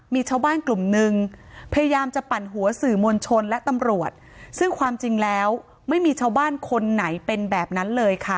มีชาวบ้านกลุ่มนึงพยายามจะปั่นหัวสื่อมวลชนและตำรวจซึ่งความจริงแล้วไม่มีชาวบ้านคนไหนเป็นแบบนั้นเลยค่ะ